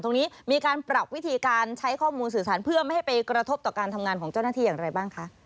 มีการปรับวิธีการใช้ข้อมูลสื่อสารเพื่อไม่ให้ไปกระทบต่อการทำงานของเจ้าหน้าที่อย่างไรบ้างคะ